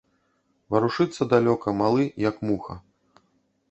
Варушыцца далёка, малы, як муха.